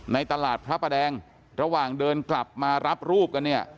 ในตลาดพระประแดงระหว่างเดินกลับมารับรูปกันเนี่ย